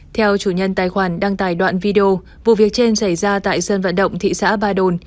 theo chủ nhân tài khoản đăng tải đoạn video vụ việc trên xảy ra tại sân vận động thị xã ba đồn